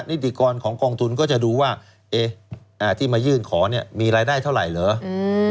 นิติกรของกองทุนก็จะดูว่าที่มายื่นขอเนี่ยมีรายได้เท่าไหร่เหรอ